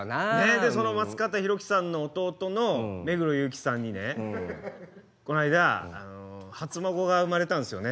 でその松方弘樹さんの弟の目黒祐樹さんにねこないだ初孫が生まれたんですよね。